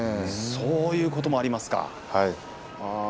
そういうこともありますかね。